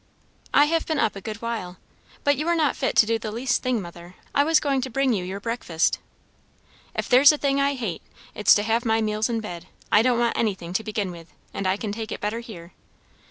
"I have been up a good while. But you are not fit to do the least thing, mother. I was going to bring you your breakfast." "If there's a thing I hate, it's to have my meals in bed. I don't want anything, to begin with; and I can take it better here.